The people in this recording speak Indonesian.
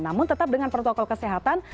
namun tetap dengan protokol kesehatan